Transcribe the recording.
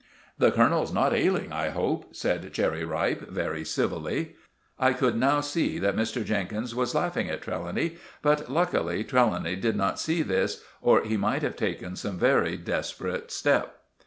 "The Colonel's not ailing, I hope?" said Cherry Ripe very civilly. I could now see that Mr. Jenkins was laughing at Trelawny, but, luckily, Trelawny did not see this, or he might have taken some very desperate step.